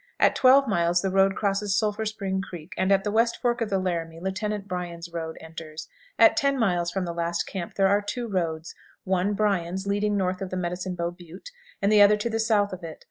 At twelve miles the road crosses Sulphur Spring Creek, and at the West Fork of the Laramie Lieutenant Bryan's road enters. At ten miles from the last camp there are two roads one, Bryan's, leading north of the Medicine Bow Butte, and the other to the south of it.